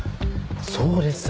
そうです。